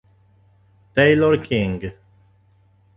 Taylor King